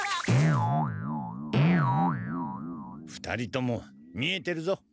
２人とも見えてるぞ。